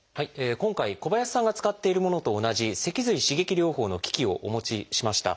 今回小林さんが使っているものと同じ脊髄刺激療法の機器をお持ちしました。